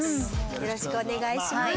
よろしくお願いします。